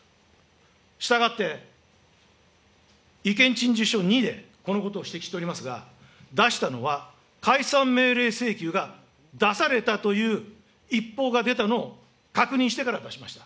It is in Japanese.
したがって、意見陳述書２でこのことを指摘しておりますが、出したのは、解散命令請求が出されたという一報が出たのを確認してから出しました。